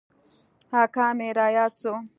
اکا مې راياد سو.